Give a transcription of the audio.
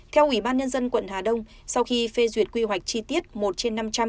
theo ủy ban nhân dân quận hà đông sau khi phê duyệt quy hoạch chi tiết một trên năm trăm linh